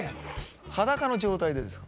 裸の状態でですか？